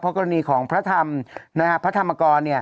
กรณีของพระธรรมพระธรรมกร